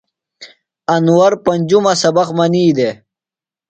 انور پنجُمہ سبق منی دےۡ۔